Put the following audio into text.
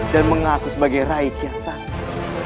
dan mengaku sebagai raikian santan